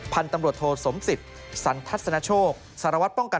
พันตำรวจโทสมสิทธิ์สรรทัศนโชค